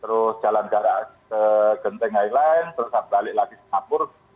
terus jalan jalan ke genting high line terus balik lagi singapura